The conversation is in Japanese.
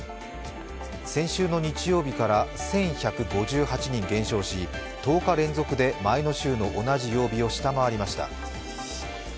先週の日曜日から１１５８人減少し１０日連続で前の週の同じ曜日を下回りました。